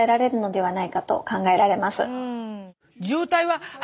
はい。